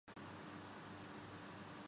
میں لوگوں کی نہیں اپنی مرضی کروں گی